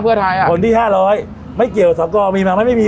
เพื่อไทยอ่ะคนที่ห้าร้อยไม่เกี่ยวสอกอมีมาไม่มี